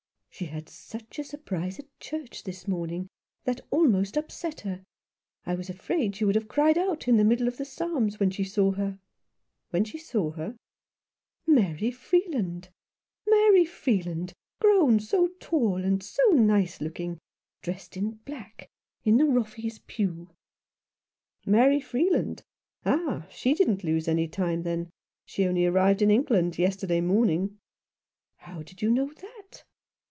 " She had a surprise at church this morning that almost upset her. I was afraid she would have cried out in the middle of the psalms when she saw her." " When she saw her ?" "Mary Freeland ! Mary Freeland, grown so tall and so nice looking, dressed in black, in the Roffeys' pew." " Mary Freeland ? Ah, she. didn't lose any time, then. She only arrived in England yesterday morning." " How did you know that